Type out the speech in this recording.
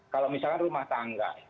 kalau misalnya rumah tangga